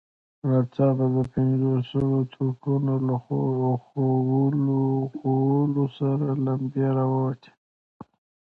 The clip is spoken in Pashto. ناڅاپه د پنځوسو توپونو له خولو سرې لمبې را ووتې.